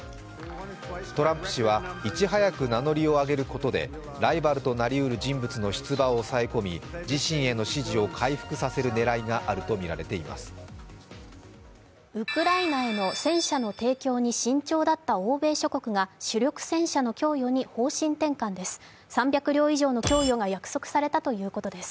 トランプ氏は、いち早く名乗りを上げることでライバルとなりうる人物の出馬を抑え込み、自身への支持を回復させる狙いがあるとみられています。